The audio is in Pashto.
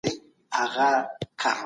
کله نوي مشران ټاکل کیږي؟